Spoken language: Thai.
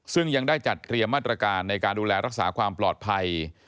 ซึ่งยังได้จัดเตรียมมาตรการในการดูแลรักษาความปลอดภัย